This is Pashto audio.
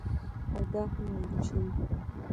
او دا هم ویل شوي